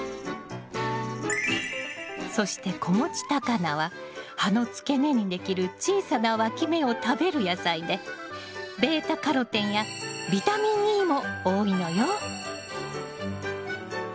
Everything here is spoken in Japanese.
そして子持ちタカナは葉の付け根にできる小さなわき芽を食べる野菜でβ−カロテンやビタミンＥも多いのよ。